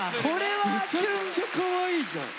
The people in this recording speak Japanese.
めちゃくちゃかわいいじゃん！